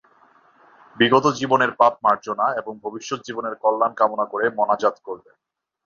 বিগত জীবনের পাপ মার্জনা এবং ভবিষ্যৎ জীবনের কল্যাণ কামনা করে মোনাজাত করবেন।